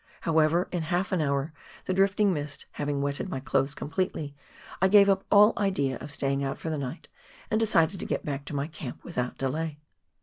However, in half an hour the drifting mist having wetted my clothes completely, I gave up all idea of staying out for the night, and decided to get back to camp without delay.